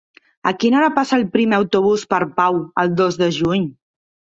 A quina hora passa el primer autobús per Pau el dos de juny?